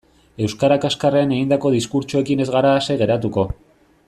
Euskara kaxkarrean egindako diskurtsoekin ez gara ase geratuko.